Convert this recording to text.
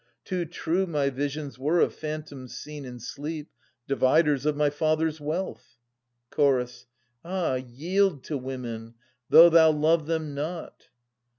Too true my visions were of phantoms seen 710 In sleep, dividers of my father's wealth. Chorus. Ah, yield to women, though thou love them not